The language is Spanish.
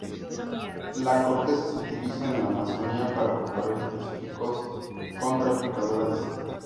La corteza se utiliza en la Amazonía para preparar específicos contra picaduras de serpiente.